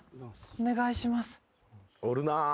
お願いします。